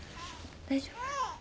大丈夫？